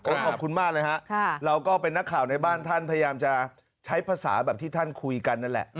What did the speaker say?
ขอบคุณมากเลยฮะเราก็เป็นนักข่าวในบ้านท่านพยายามจะใช้ภาษาแบบที่ท่านคุยกันนั่นแหละ